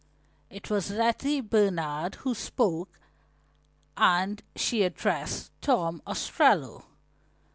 It was Letty Bernard who spoke and she addressed Tom Ostrello.